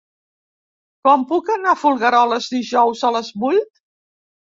Com puc anar a Folgueroles dijous a les vuit?